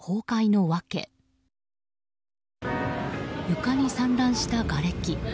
床に散乱したがれき。